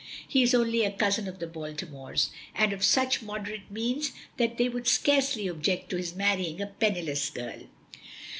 He is only a cousin of the Baltimores, and of such moderate means that they would scarcely object to his marrying a penniless girl."